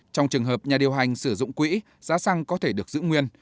trong trường hợp nhà điều hành sử dụng quỹ giá xăng có thể được giữ nguyên